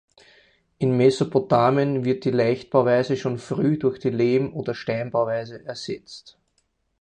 In Mesopotamien wird die Leichtbauweise schon früh durch die Lehm- oder Steinbauweise ersetzt.